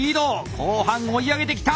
後半追い上げてきた！